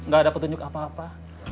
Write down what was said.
gak ada petunjuk apa apa